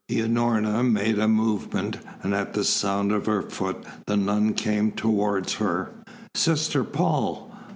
Unorna made a movement, and at the sound of her foot the nun came towards her. "Sister Paul!"